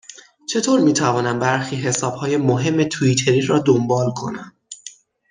چه طور میتوانم برخی حسابهای مهم توییتری را دنبال کنم؟